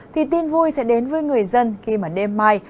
thì tin vui sẽ đến với người dân khi mà đêm mai